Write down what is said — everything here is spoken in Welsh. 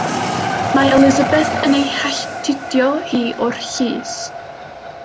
Mae Elisabeth yn ei halltudio hi o'r llys.